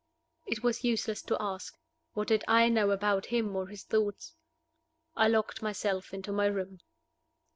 It was useless to ask. What did I know about him or his thoughts? I locked myself into my room.